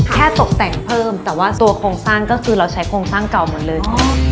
ตกแต่งเพิ่มแต่ว่าตัวโครงสร้างก็คือเราใช้โครงสร้างเก่าหมดเลย